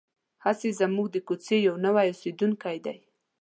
هسې زموږ د کوڅې یو نوی اوسېدونکی دی.